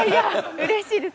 うれしいです！